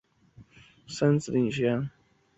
东京市民举行了盛大的庆祝活动。